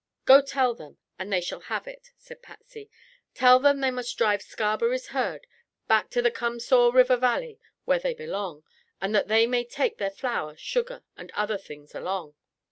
"Go tell them they shall have it," said Patsy. "Tell them they must drive Scarberry's herd back to the Come saw River valley where they belong, and that they may take their flour, sugar and other things along."